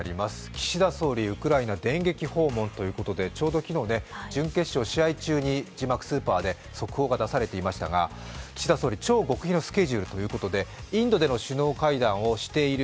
岸田総理、ウクライナ電撃訪問ということでちょうど昨日、準決勝の試合中に字幕スーパーで速報が出されていましたが、岸田総理、超極秘のスケジュールということで、インドでの首脳会談をしている。